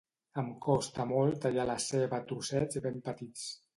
Em costa molt tallar la ceba a trossets ben petits.